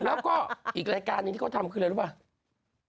แล้วก็อีกรายการหนึ่งที่เขาทำคืออะไรรู้ป่ะ